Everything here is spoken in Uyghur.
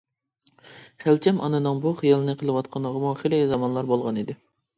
خەلچەم ئانىنىڭ بۇ خىيالنى قىلىۋاتقىنىغىمۇ خېلى زامانلار بولغان ئىدى.